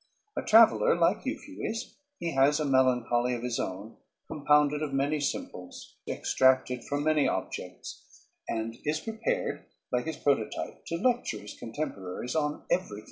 A traveler, like Euphues, he has a melancholy of his own, compounded of many simples, extracted from many objects, and is prepared, like his prototype, to lecture his contemporaries on every theme."